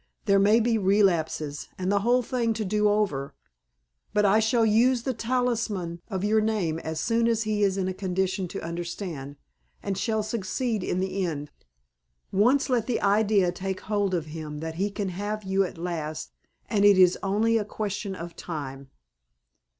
There may be relapses, and the whole thing to do over; but I shall use the talisman of your name as soon as he is in a condition to understand, and shall succeed in the end. Once let the idea take hold of him that he can have you at last and it is only a question of time."